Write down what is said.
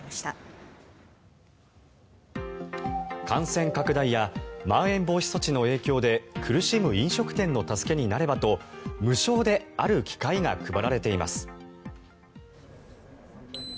感染拡大やまん延防止措置の影響で苦しむ飲食店の助けになればと無償である機械が配られています。